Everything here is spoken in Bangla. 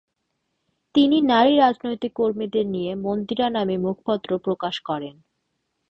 তিনি নারী রাজনৈতিক কর্মীদের নিয়ে 'মন্দিরা' নামে মুখপত্র প্রকাশ করেন।